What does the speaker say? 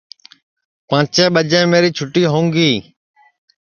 پانٚچیں ٻجے میری چھُتی ہوؤں گی